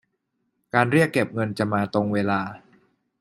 การเรียกเก็บเงินจะมาตรงเวลา